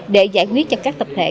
để giải quyết cho các tập thể